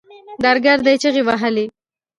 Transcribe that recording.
درګرده يې چيغې وهلې.